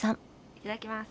いただきます。